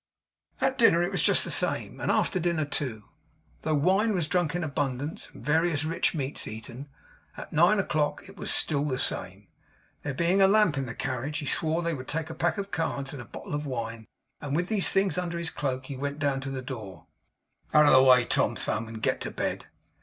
At dinner it was just the same; and after dinner too; though wine was drunk in abundance, and various rich meats eaten. At nine o'clock it was still the same. There being a lamp in the carriage, he swore they would take a pack of cards, and a bottle of wine; and with these things under his cloak, went down to the door. 'Out of the way, Tom Thumb, and get to bed!